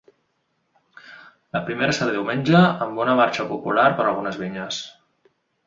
La primera serà diumenge, amb una marxa popular per algunes vinyes.